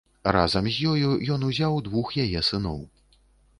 Разам з ёю ён узяў двух яе сыноў.